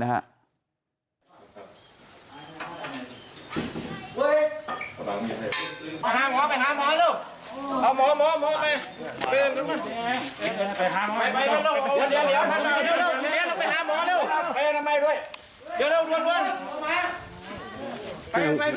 เราไปถามมอไปถามมอรอหมอหมอไปไปหามอห้องค้นหาเยอะพี่เอ็นน่าไปหาหมอ